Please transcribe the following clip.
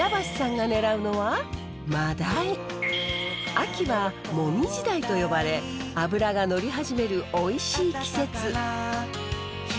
秋は「モミジダイ」と呼ばれ脂が乗り始めるおいしい季節。